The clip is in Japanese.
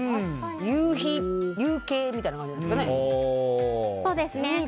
夕日、夕景みたいな感じですね。